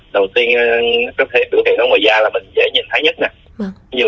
đầu tiên có thể biểu hiện ở ngoài da là mình dễ nhìn thấy nhất nè